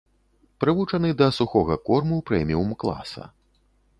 Прывучаны да сухога корму прэміум-класа.